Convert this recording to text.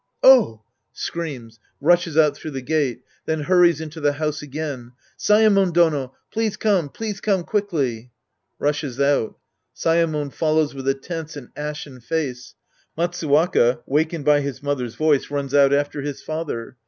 Oh ! (Screams. Rushes out through the gate. Then hurries into the house again.) Saemon Dono ! Please come, please come quickly. {Rushes out. Saeuo:^ follows with a tense and ashen face. Matsuwaka, wakened by his mother's voice, runs out after his father.